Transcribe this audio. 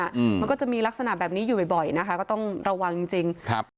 มันก็จะมีลักษณะแบบนี้อยู่บ่อยนะคะก็ต้องระวังจริง